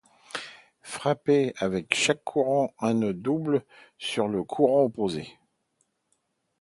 Frapper avec chaque courant un nœud double sur le courant opposé.